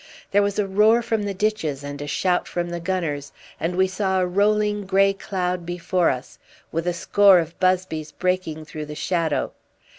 There was a roar from the ditches, and a shout from the gunners, and we saw a rolling grey cloud before us, with a score of busbies breaking through the shadow.